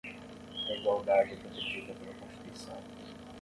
A igualdade é protegida pela Constituição.